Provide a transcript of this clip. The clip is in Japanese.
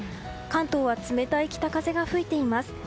関東は冷たい北風が吹いています。